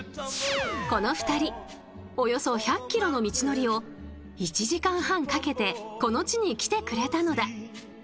この２人およそ１００ｋｍの道のりを１時間半かけてこの地に来てくれたのだ。